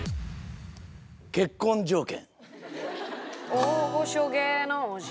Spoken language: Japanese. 結婚条件。